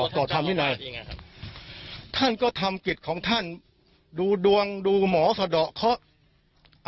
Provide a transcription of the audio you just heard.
ก่อท่านก็ทำหิตของท่านดูดวงดูหมอสระดอกเค้าอะไรประเภทนี้ล่ะฮะ